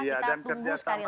kita tunggu sekali lagi